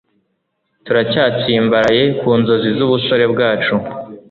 Turacyatsimbaraye ku nzozi z'ubusore bwacu